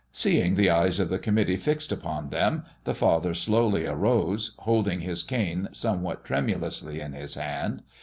Seeing the eyes of the committee fixed upon them, the father slowly arose, holding his cane somewhat tremulously in his hand.